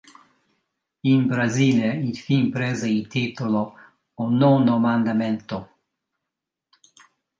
In Brasile il film prese il titolo "O Nono Mandamento".